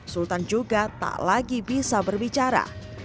sultan juga tak lagi bisa berbicara